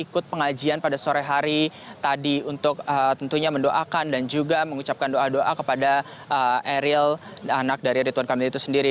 ikut pengajian pada sore hari tadi untuk tentunya mendoakan dan juga mengucapkan doa doa kepada eril anak dari rituan kamil itu sendiri